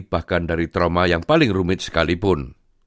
bahkan dari trauma yang paling rumit sekalipun